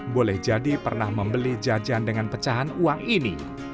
boleh jadi pernah membeli jajan dengan pecahan uang ini